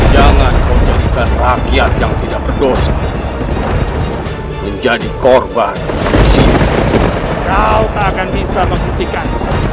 jangan menjadikan rakyat yang tidak berdosa menjadi korban kau tak akan bisa membuktikan